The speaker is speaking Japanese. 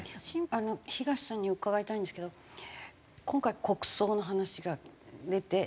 東さんに伺いたいんですけど今回国葬の話が出て総理が亡くなったと。